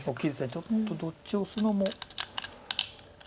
ちょっとどっちオスのも。